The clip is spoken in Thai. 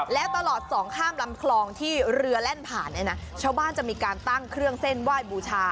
และตลอดสองข้ามลำคลองที่เรือแล่นผ่านเนี่ยนะชาวบ้านจะมีการตั้งเครื่องเส้นไหว้บูชา